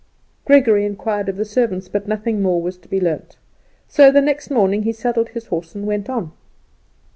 Gregory inquired of the servants, but nothing more was to be learnt; so the next morning he saddled his horse and went on.